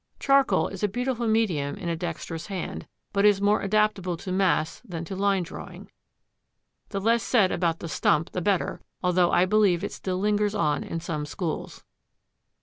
Charcoal is a beautiful medium in a dexterous hand, but is more adaptable to mass than to line drawing. The less said about the stump the better, although I believe it still lingers on in some schools.